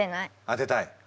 当てたい。